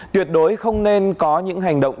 tuyệt đối không nên có những hành động